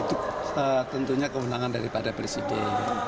itu tentunya kewenangan daripada presiden